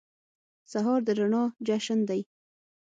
سهار د رڼا جشن دی.